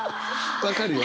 分かるよ。